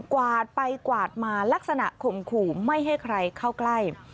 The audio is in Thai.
กวาดไปกวาดมาลักษณะข่มขู่ไม่ให้ใครเข้าใกล้